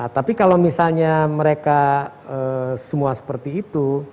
tapi kalau misalnya mereka semua seperti itu